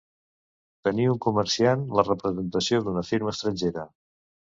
Tenir un comerciant la representació d'una firma estrangera.